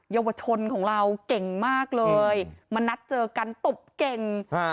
เยาวชนของเราเก่งมากเลยมานัดเจอกันตบเก่งอ่า